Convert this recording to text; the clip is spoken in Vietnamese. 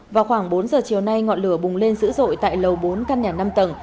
vào khoảng bốn giờ chiều nay ngọn lửa bùng lên dữ dội tại lầu bốn căn nhà năm tầng